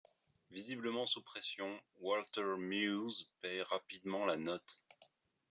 Visiblement sous pression, Walter Meeuws paie rapidement la note.